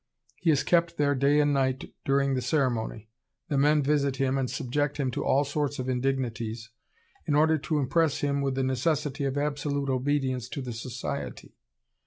He is kept there day and night during the ceremony. The men visit him and subject him to all sorts of indignities, in order to impress him with the necessity of absolute obedience to the society....